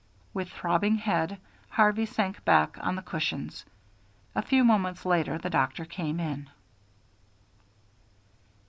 With throbbing head Harvey sank back on the cushions. A few moments later the doctor came in.